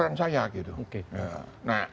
profilnya itu paling seumuran saya